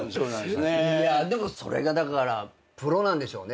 でもそれがだからプロなんでしょうね。